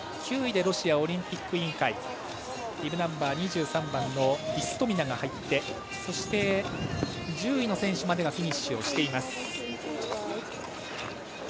９位でロシアオリンピック委員会ビブナンバー２３番のイストミナが入ってそして、１０位の選手までがフィニッシュしています。